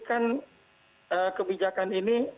kan kebijakan ini